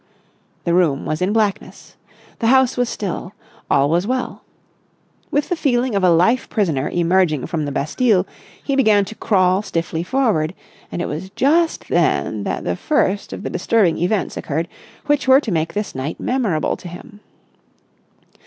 The room was in blackness. The house was still. All was well. With the feeling of a life prisoner emerging from the Bastille, he began to crawl stiffly forward; and it was just then that the first of the disturbing events occurred which were to make this night memorable to him.